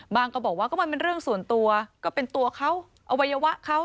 ก็บอกว่าก็มันเป็นเรื่องส่วนตัวก็เป็นตัวเขาอวัยวะเขา